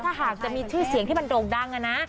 ถ้าหากจะมีชื่อเสียงที่มันโด่งดังนะ